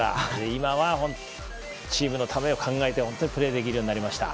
今はチームのためを考えてプレーができるようになりました。